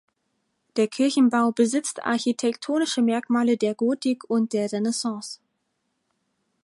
Der Kirchenbau besitzt architektonische Merkmale der Gotik und der Renaissance.